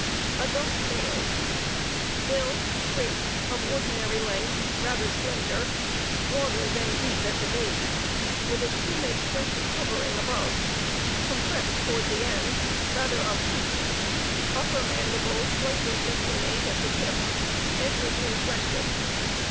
ADULT MALE Bill straight, of ordinary length, rather slender, broader than deep at the base, with a tumid, fleshy covering above, compressed toward the end, rather obtuse; upper mandible slightly declinate at the tip, edges inflected.